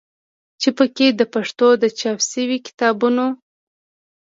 چې په کې د پښتو د چاپ شوي کتابونو